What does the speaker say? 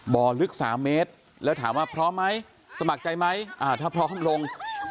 ลึก๓เมตรแล้วถามว่าพร้อมไหมสมัครใจไหมถ้าพร้อมลง